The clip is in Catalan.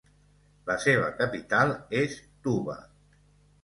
La seva capital és Touba.